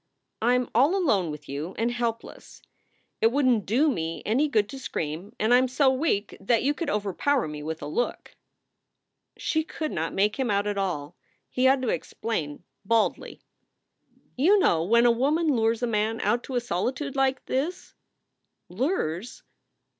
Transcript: I m all alone with you, and helpless. It wouldn t do me any good SOULS FOR SALE 151 to scream and I m so weak that you could overpower me with a look." She could not make him out at all. He had to explain, baldly: "You know when a woman lures a man out to a solitude like this" "Lures?"